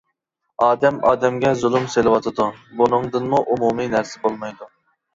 ئادەم ئادەمگە زۇلۇم سېلىۋاتىدۇ، بۇنىڭدىنمۇ ئومۇمىي نەرسە بولمايدۇ.